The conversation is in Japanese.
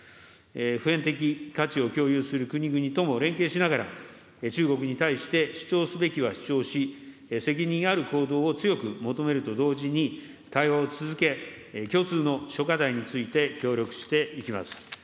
普遍的価値を共有する国々とも連携しながら、中国に対して主張すべきは主張し、責任ある行動を強く求めると同時に、対話を続け、共通の諸課題について協力していきます。